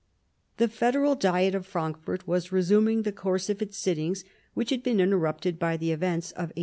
The Federal Diet of Frankfort was resuming the course of its sittings, which had been inter rupted by the events of 1848.